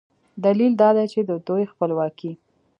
دلیل دا دی چې د دوی خپلواکي